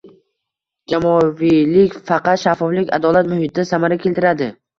jamoaviylik faqat shaffoflik, adolat muhitida samara keltiradi.